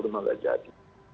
cuma nggak jadi